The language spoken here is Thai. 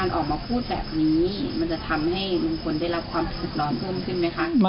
การออกมาพูดแบบนี้มันจะทำให้ลุงคนได้รับความปรรมกันเพิ่มขึ้นไหมคะ